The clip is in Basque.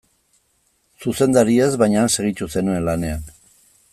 Zuzendari ez, baina han segitu zenuen lanean.